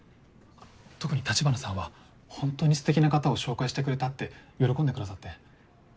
特に立花さんは本当に素敵な方を紹介してくれたって喜んでくださって。